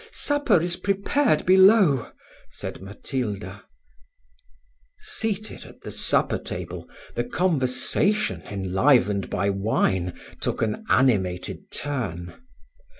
"Oh! supper is prepared below," said Matilda. Seated at the supper table, the conversation, enlivened by wine, took an animated turn.